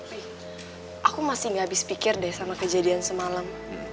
tapi aku masih gak habis pikir deh sama kejadian semalam